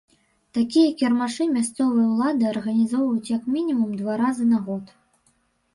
Такія кірмашы мясцовыя ўлады арганізоўваюць як мінімум два разы на год.